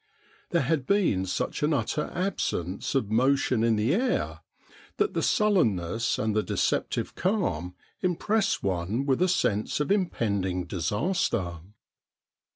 There had been such an utter absence of motion in the air that the sullenness and the deceptive calm impressed one with a sense of impending disaster.